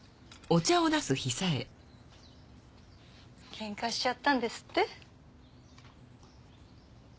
ケンカしちゃったんですって？